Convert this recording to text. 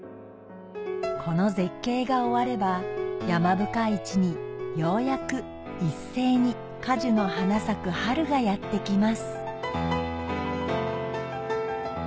この絶景が終われば山深い地にようやく一斉に果樹の花咲く春がやって来ます